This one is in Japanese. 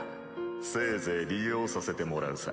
せいぜい利用させてもらうさ。